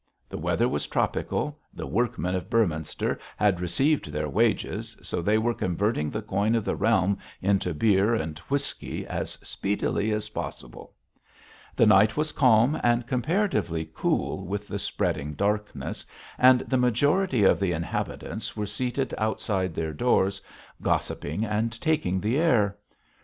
The weather was tropical, the workmen of Beorminster had received their wages, so they were converting the coin of the realm into beer and whisky as speedily as possibly. The night was calm and comparatively cool with the spreading darkness, and the majority of the inhabitants were seated outside their doors gossiping and taking the air.